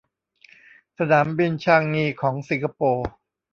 สนามบินชางงีของสิงคโปร์